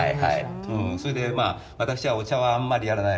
それでまあ私はお茶はあんまりやらない。